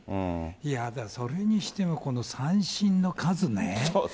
それにしてもこの三振の数ね。